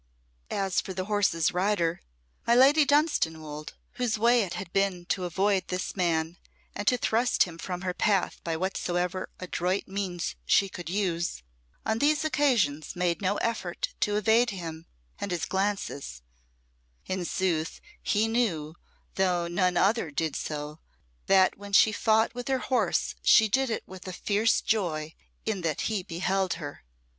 As for the horse's rider, my Lady Dunstanwolde, whose way it had been to avoid this man and to thrust him from her path by whatsoever adroit means she could use, on these occasions made no effort to evade him and his glances; in sooth, he knew, though none other did so, that when she fought with her horse she did it with a fierce joy in that he beheld her.